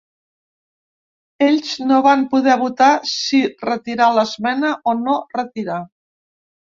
Ells no van poder votar si retirar l’esmena o no retirar.